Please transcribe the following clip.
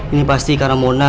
ini pasti karena mona